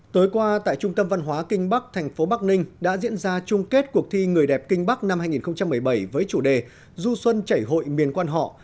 tối qua tại trung tâm văn hóa kinh bắc thành phố bắc ninh đã diễn ra chung kết cuộc thi người đẹp kinh bắc năm hai nghìn một mươi bảy với chủ đề du xuân chảy hội miền quan họ